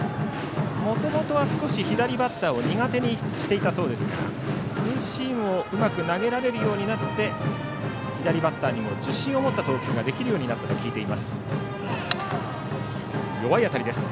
もともと、少し左バッターを苦手にしていたそうですがツーシームをうまく投げられるようになって左バッターにも自信を持った投球ができるようになったと聞いています。